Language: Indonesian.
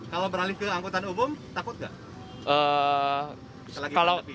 kalau beralih ke angkutan umum takut nggak